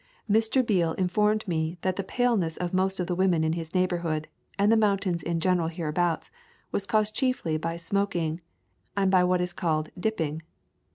Mr. Beale informed me that the paleness of most of the women in his neighborhood, and the mountains in general hereabouts, was caused chiefly by smoking and by what is called "dip ping."